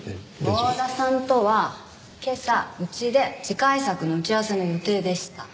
郷田さんとは今朝うちで次回作の打ち合わせの予定でした。